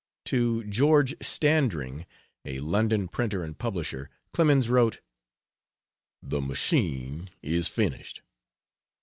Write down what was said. To George Standring, a London printer and publisher, Clemens wrote: "The machine is finished!"